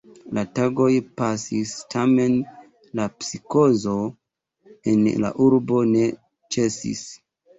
La tagoj pasis, tamen la psikozo en la urbo ne ĉesis.